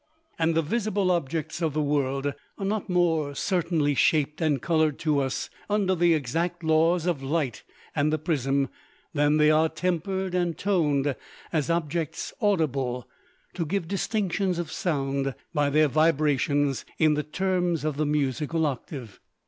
And the visible objects of the world are not more certainly shaped and colored to us under the exact laws of light and the prism, than they are tempered and toned, as objects audible, to give distinctions of sound by their vibrations in the terms of the musical octave.